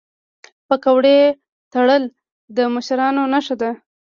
پګړۍ تړل د مشرانو نښه ده.